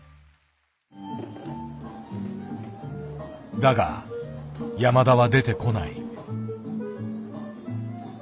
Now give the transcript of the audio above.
だが山田は出てこない。